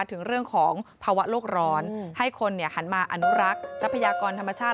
ถึงเรื่องของภาวะโลกร้อนให้คนหันมาอนุรักษ์ทรัพยากรธรรมชาติ